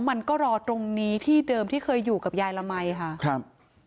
มันก็รอตรงนี้ที่เดิมที่เคยอยู่กับยายละมัยค่ะครับ